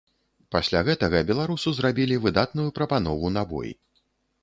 Пасля гэтага беларусу зрабілі выдатную прапанову на бой.